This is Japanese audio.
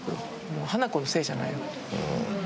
もうハナコのせいじゃないよ。